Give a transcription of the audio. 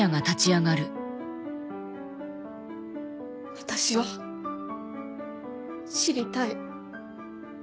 私は知りたい。